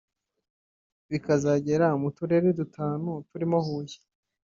bikazagera mu turere dutanu turimo Huye